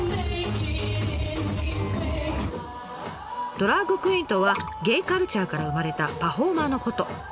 ドラァグクイーンとはゲイカルチャーから生まれたパフォーマーのこと。